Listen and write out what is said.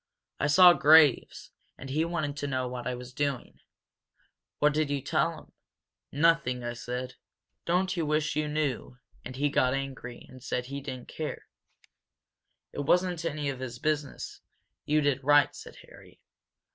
I saw Graves. And he wanted to know what I was doing." "What did you tell him?" "Nothing. I said, 'Don't you wish you knew?' And he got angry, and said he didn't care." "It wasn't any of his business. You did right," said Harry.